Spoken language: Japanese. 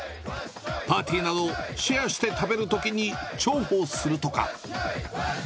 パーティーなど、シェアして食べるときに重宝するとか。